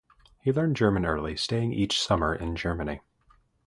He learned German early, staying each summer in Germany.